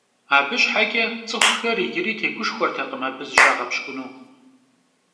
Abı şheç'e ts'ıxuxer yicıri têguşşxuertekhım abı zışağepsç'ınu.